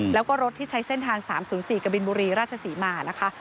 แล้วก็รถที่ใช้เส้นทาง๓๐๔กบินบุรีราชศรีมานะคะ